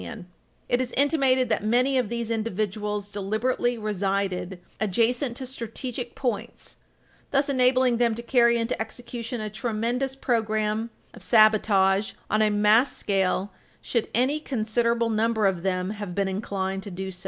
[Footnote 3/8] It is intimated that many of these individuals deliberately resided "adjacent to strategic points," thus enabling them "to carry into execution a tremendous program of sabotage on a mass scale should any considerable number of them have been inclined to do so.